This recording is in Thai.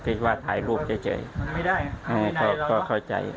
ก็คิดว่าถ่ายรูปเจ๋ยก็เข้าใจ